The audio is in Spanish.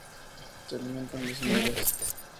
Se alimentan de semillas.